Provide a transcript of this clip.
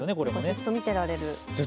ずっと見ていられる。